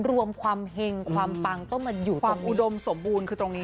รวมความเห็งความปังต้องมาอยู่ความอุดมสมบูรณ์คือตรงนี้